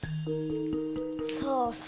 そうそう。